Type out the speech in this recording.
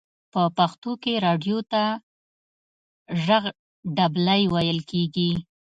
په پښتو کې رادیو ته ژغ ډبلی ویل کیږی.